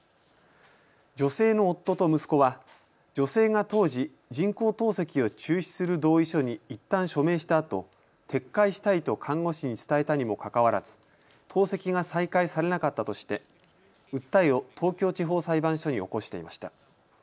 女性の夫と息子は女性が当時、人工透析を中止する同意書にいったん署名したあと撤回したいと看護師に伝えたにもかかわらず透析が再開されなかったとして訴えを東京地方裁判所に起こしていました。